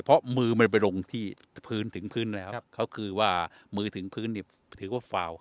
เพราะมือมาลงที่พื้นถึงพื้นคือว่ามือถึงพื้นถือว่าเฝ้า